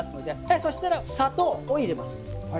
そしたら砂糖を入れます。